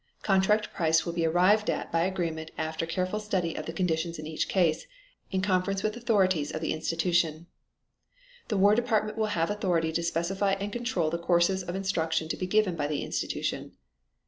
Contract price will be arrived at by agreement after careful study of the conditions in each case, in conference with authorities of the institution. The War Department will have authority to specify and control the courses of instruction to be given by the institution.